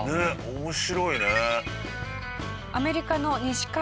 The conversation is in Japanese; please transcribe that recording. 面白いね。